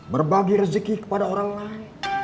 berbagi rezeki kepada orang lain